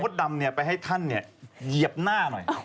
ผมจะเอาหมดดำไปให้ท่านเหยียบหน้าหน่อย